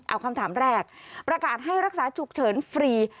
เอาคำถามแรกประกาศให้รักษาฉุกเฉินฟรี